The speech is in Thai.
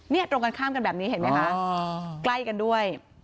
นี่ตรงกันข้ามกันแบบนี้เห็นไหมคะใกล้กันด้วย